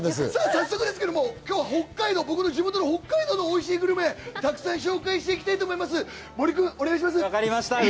早速ですけれども、今日は北海道、僕の地元の北海道のおいしいグルメたくさん紹介していきたいと思います。